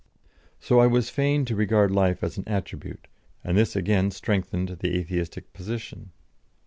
So I was fain to regard life as an attribute, and this again strengthened the Atheistic position.